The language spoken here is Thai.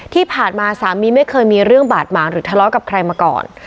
ที่ผ่านมาสามีไม่เคยมีเรื่องบาดหมางหรือทะเลาะกับใครมาก่อน